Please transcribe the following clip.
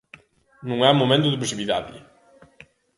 Non é momento de pasividade.